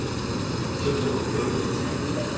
少々よろしいですか？